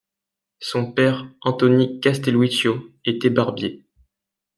Son père, Anthony Castelluccio, était barbier.